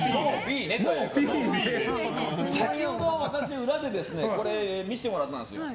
先ほど私、裏で見せてもらったんですよ。